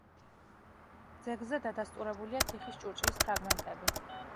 ძეგლზე დადასტურებულია თიხის ჭურჭლის ფრაგმენტები.